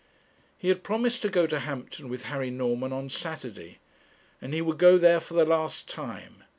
He had promised to go to Hampton with Harry Norman on Saturday, and he would go there for the last time.